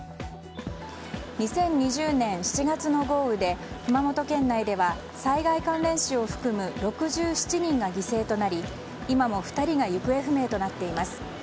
２０２０年７月の豪雨で熊本県内では災害関連死を含む６７人が犠牲となり今も２人が行方不明となっています。